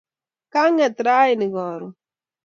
kanget raini karon